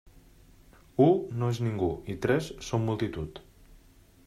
U no és ningú i tres són multitud.